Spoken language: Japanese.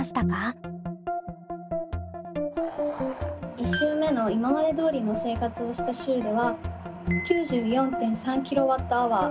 １週目の今までどおりの生活をした週では９４．３ｋＷｈ。